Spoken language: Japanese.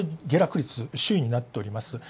下落率、首位になっております。